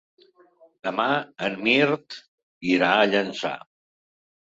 Demà en Mirt irà a Llançà.